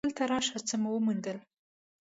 دلته راشه څه مې وموندل.